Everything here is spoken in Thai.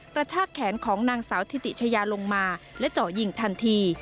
กระชากแขนของนางสาวธิติชายาลงมาและเจาะยิงทันที